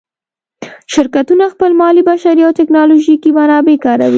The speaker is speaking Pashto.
شرکتونه خپل مالي، بشري او تکنالوجیکي منابع کاروي.